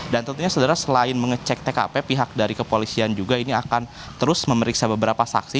dan tentunya selain mengecek tkp pihak dari kepolisian juga ini akan terus memeriksa beberapa saksi